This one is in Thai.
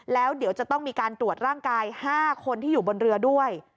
แล้วเดี๋ยวจะต้องมีการตรวจร่างกาย๕คนที่อยู่บนเรือด้วย